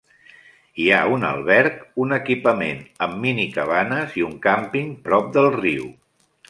Hi ha un alberg, un equipament amb minicabanes i un càmping prop del riu.